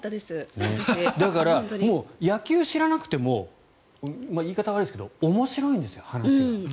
だから野球を知らなくても言い方は悪いですけど面白いんですよ、話が。